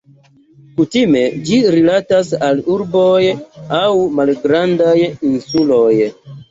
Kutime ĝi rilatas al urboj aŭ malgrandaj insuloj.